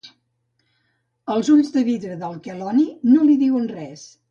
Els ulls de vidre del queloni no li diuen res.